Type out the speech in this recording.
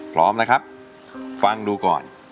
พร้อมนะครับฟังดูก่อน